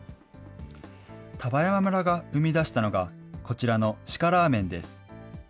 丹波山村が生み出したのがこちらの鹿ラーメンです。